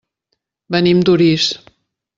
Venim d'Orís.